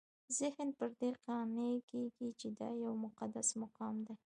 ذهن پر دې قانع کېږي چې دا یو مقدس مقام دی.